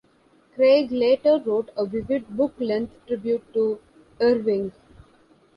Craig later wrote a vivid, book-length tribute to Irving.